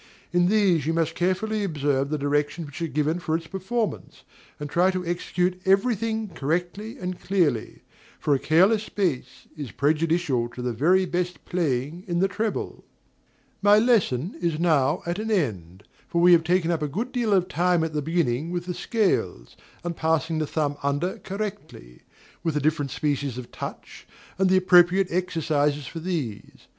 In these you must carefully observe the directions which are given for its performance, and try to execute every thing correctly and clearly; for a careless bass is prejudicial to the very best playing in the treble. My lesson is now at an end; for we have taken up a good deal of time at the beginning with the scales, and passing the thumb under correctly, with the different species of touch, and the appropriate exercises for these.